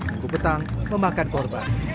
minggu petang memakan korban